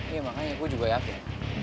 ya makanya gue juga yakin